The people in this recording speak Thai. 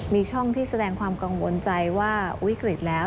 มีช่องที่แสดงความกังวลใจว่าวิกฤตแล้ว